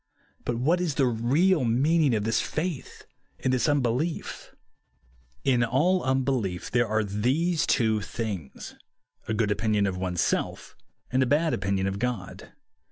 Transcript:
But what IS the real meaning of this faith o.nd this unbelief ? In all unbelief there are these two things, — a good opinion of one's self, and a bad opinion of God.